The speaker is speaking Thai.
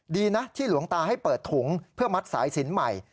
ดีนะที่หลวงตาให้เปิดถุงเพื่อมัดสายสินใหม่